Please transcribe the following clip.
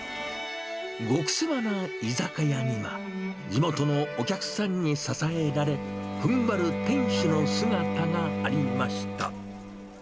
極セマな居酒屋には、地元のお客さんに支えられ、ふんばる店主の姿がありました。